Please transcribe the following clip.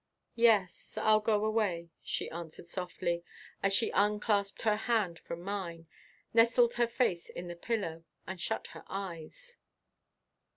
"Yes, I'll go away," she answered softly, as she unclasped her hand from mine, nestled her face in the pillow and shut her eyes.